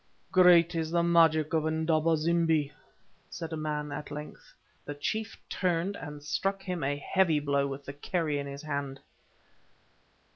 "Great is the magic of Indaba zimbi!" said a man, at length. The chief turned and struck him a heavy blow with the kerrie in his hand.